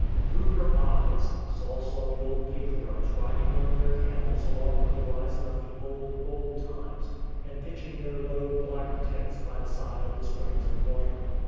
Through her eyes, Saul saw the old patriarchs riding on their camels along the horizon of the old, old times and pitching their low, black tents by the side of the springs of water.